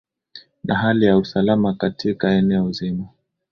na hali ya usalama katika eneo zima